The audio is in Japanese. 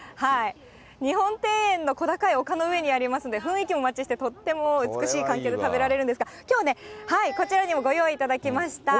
日本庭園の小高い丘の上にありますので、雰囲気もマッチして、とっても美しい環境で食べられるんですが、きょうね、こちらにもご用意いただきました。